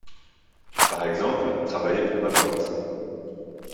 Par exemple, travailler pour ma boîte.